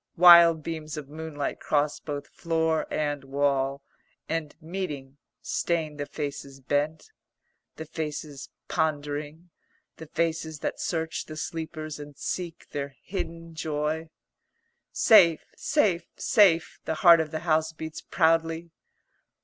Wild beams of moonlight cross both floor and wall, and, meeting, stain the faces bent; the faces pondering; the faces that search the sleepers and seek their hidden joy. "Safe, safe, safe," the heart of the house beats proudly.